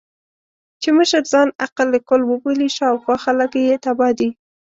چې مشر ځان عقل کُل وبولي، شا او خوا خلګ يې تباه دي.